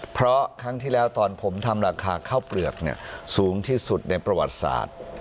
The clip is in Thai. เพราะครั้งที่แล้วตอนผมทำราคาข้าวเปลือกสูงที่สุดในประวัติศาสตร์